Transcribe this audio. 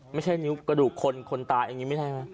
ไม่ใช่นิ้วกรุกขนตาอีกซึ่งไม่ได้